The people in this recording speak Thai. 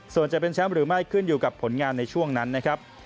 ส่วนจะเป็นแชมป์หรือไม่ขึ้นอยู่กับผลงานในช่วงนั้นนะครับ